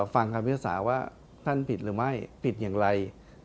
ฟังคำพิพากษาว่าท่านผิดหรือไม่ผิดอย่างไร